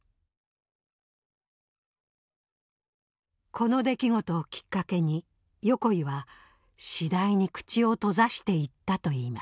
この出来事をきっかけに横井は次第に口を閉ざしていったといいます。